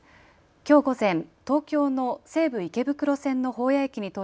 きょう午前、東京の西武池袋線の保